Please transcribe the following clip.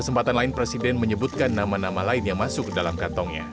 selain presiden menyebutkan nama nama lain yang masuk dalam kantongnya